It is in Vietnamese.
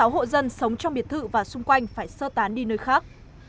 sáu mươi sáu hộ dân sống trong biệt thự và xung quanh phải sơ tán đi nơi khác